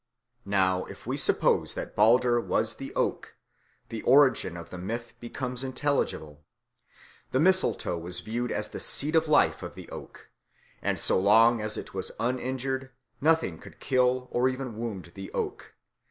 Now, if we suppose that Balder was the oak, the origin of the myth becomes intelligible. The mistletoe was viewed as the seat of life of the oak, and so long as it was uninjured nothing could kill or even wound the oak.